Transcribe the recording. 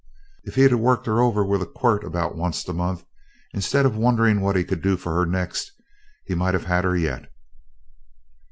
"If he'd worked her over with a quirt about onct a month, instead of wonderin' what he could do for her next, he might have had her yet.